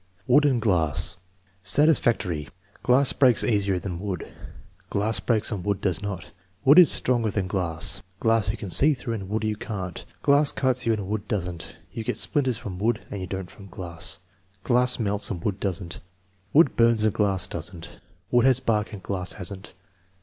Wood and glass Satisfactory. "Glass breaks easier than wood." "Glass breaks and wood does not." "Wood is stronger than glass." "Glass you can see through and wood you can't." "Glass cuts you and wood does n't." "You get splinters from wood and you don't from glass." "Glass melts and wood does n't." "Wood burns and glass does n't." "Wood has bark and glass has n't."